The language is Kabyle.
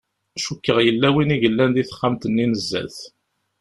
Cukkeɣ yella win i yellan di texxamt-nni n zdat.